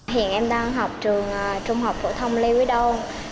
hiện em đang học trường trung học phổ thông lê quý đôn